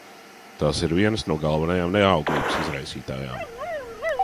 Tās ir vienas no galvenajām neauglības izraisītājām.